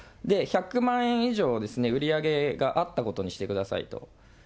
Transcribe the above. １００万円以上売り上げがあったことにしてくださいと。